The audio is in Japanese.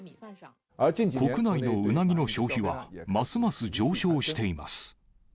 国内のうなぎの消費は、ますます上昇しています。